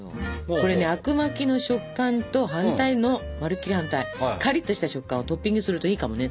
これねあくまきの食感と反対のまるっきり反対カリッとした食感をトッピングするといいかもねと思って。